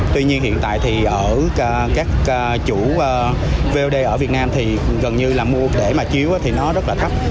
tuy nhiên hiện tại thì ở các chủ vod ở việt nam thì gần như là mua để mà chiếu thì nó rất là thấp